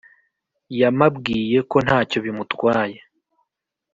yamabwiye ko ntacyo bimutwaye